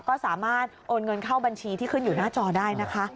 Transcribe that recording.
ก็สามารถโอนเงินเข้าบัญชีที่ขึ้นอยู่หน้าจอได้นะคะ